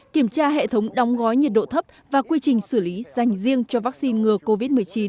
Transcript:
kiểm tra hệ thống đóng gói nhiệt độ thấp và quy trình xử lý dành riêng cho vaccine ngừa covid một mươi chín